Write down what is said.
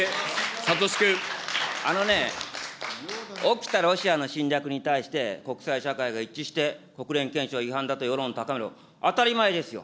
あのね、起きたロシアの侵略に対して国際社会が一致して国連憲章違反だと、世論を高める、当たり前ですよ。